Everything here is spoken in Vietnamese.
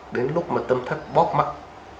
đến lúc mà tâm thất bóp mặt